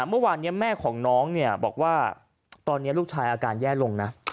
เมื่อวานนี้แม่ของน้องเนี่ยบอกว่าตอนนี้ลูกชายอาการแย่ลงนะ